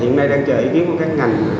hiện nay đang chờ ý kiến của các ngành